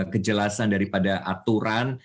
kejelasan daripada aturan